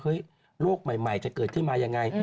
เฮ้ยโรคใหม่จะเกิดที่มายังไง